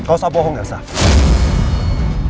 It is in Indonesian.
kau tak bohong ya saf